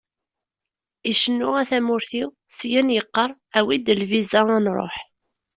Icennu "A tamurt-iw", syin yeqqar "Awi-d lviza ad nruḥ"!